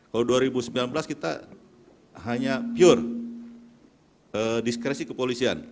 kalau dua ribu sembilan belas kita hanya pure diskresi kepolisian